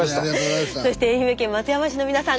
そして愛媛県松山市の皆さん